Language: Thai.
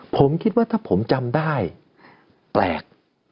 ผมคิดว่าถ้าผมจำได้แปลก